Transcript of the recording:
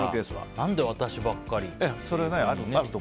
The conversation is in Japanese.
何で私ばっかりってね。